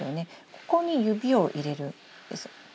ここに指を入れるんです。